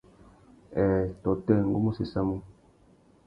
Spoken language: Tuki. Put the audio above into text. Nhêê tôtê, ngu mú séssamú.